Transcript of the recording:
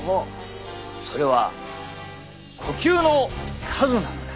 それは呼吸の数なのだ！